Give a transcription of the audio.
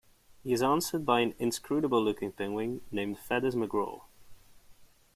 He is answered by an inscrutable looking penguin named Feathers McGraw.